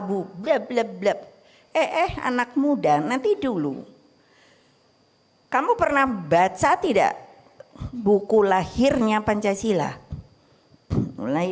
bu ble bleblep eh anak muda nanti dulu kamu pernah baca tidak buku lahirnya pancasila mulai